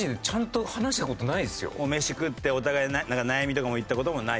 飯食ってお互いに悩みとかも言った事もないと。